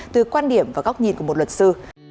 từ quan điểm và góc nhìn của một luật sư